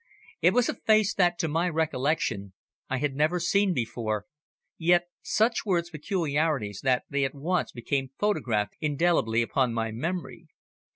It was a face that, to my recollection, I had never seen before, yet such were its peculiarities that they at once became photographed indelibly upon my memory.